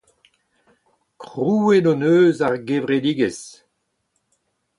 Krouet hon eus ar gevredigezh.